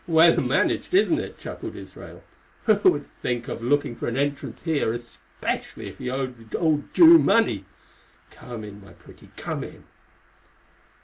"Well managed, isn't it?" chuckled Israel. "Who would think of looking for an entrance here, especially if he owed the old Jew money? Come in, my pretty, come in."